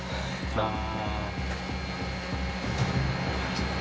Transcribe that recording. ああ。